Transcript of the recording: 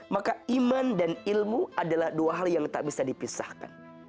maka iman dan ilmu adalah dua hal yang tak bisa dipisahkan